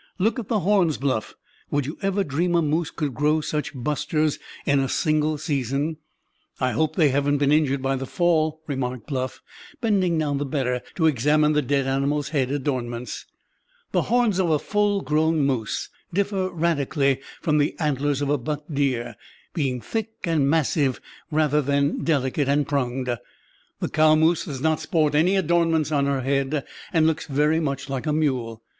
Look at the horns, Bluff; would you ever dream a moose could grow such busters in a single season?" "I hope they haven't been injured by the fall," remarked Bluff, bending down the better to examine the dead animal's head adornments. The horns of a full grown moose differ radically from the antlers of a buck deer, being thick and massive rather than delicate and pronged. The cow moose does not sport any adornments on her head, and looks very much like a mule.